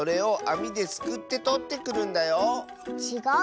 ちがう！